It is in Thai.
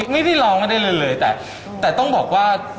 ไม่ได้ร้องไม่ได้เลยแต่ต้องบอกว่า